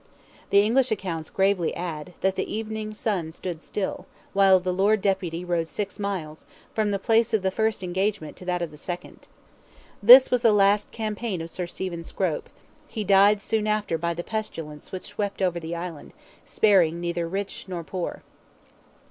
The English accounts gravely add, that the evening sun stood still, while the Lord Deputy rode six miles, from the place of the first engagement to that of the second. This was the last campaign of Sir Stephen Scrope; he died soon after by the pestilence which swept over the island, sparing neither rich nor poor.